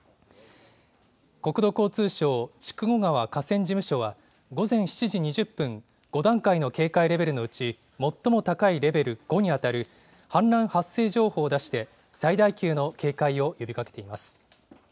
国土交通省筑後川河川事務所は、午前７時２０分、５段階の警戒レベルのうち最も高いレベル５に当たる氾濫発生情報を出して、最大級の警戒を呼びかけています。